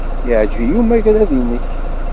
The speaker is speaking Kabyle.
Yeɛjeb-iyi umagrad-nnek.